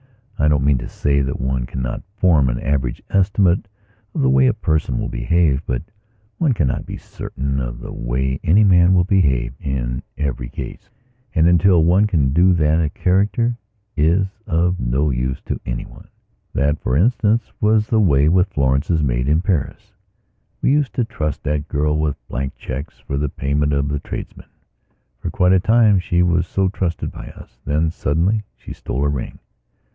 I don't mean to say that one cannot form an average estimate of the way a person will behave. But one cannot be certain of the way any man will behave in every caseand until one can do that a "character" is of no use to anyone. That, for instance, was the way with Florence's maid in Paris. We used to trust that girl with blank cheques for the payment of the tradesmen. For quite a time she was so trusted by us. Then, suddenly, she stole a ring.